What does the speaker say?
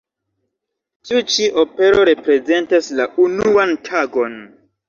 Tiu-ĉi opero reprezentas la "unuan tagon".